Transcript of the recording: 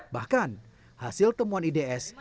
bahkan hasil temuan ids bisa lebih jelas